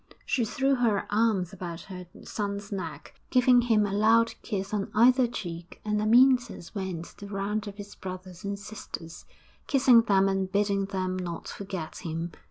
She threw her arms about her son's neck, giving him a loud kiss on either cheek, and Amyntas went the round of his brothers and sisters, kissing them and bidding them not forget him.